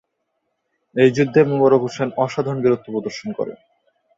এই যুদ্ধে মোবারক হোসেন অসাধারণ বীরত্ব প্রদর্শন করেন।